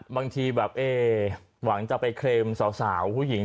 บางทีแบบหวังจะไปเคลมสาวผู้หญิง